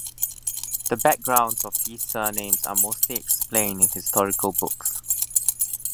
The backgrounds of these surnames are mostly explained in historical books.